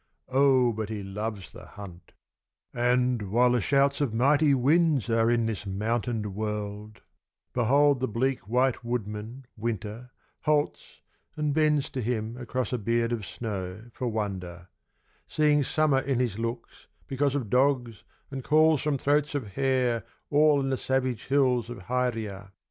Oh, but he loves the hunt; and, while the shouts Of mighty winds are in this mountained World, Behold the white bleak woodman, Winter, halts And bends to him across a beard of snow For wonder; seeing Summer in his looks Because of dogs and calls from throats of hair All in the savage hills of Hyria!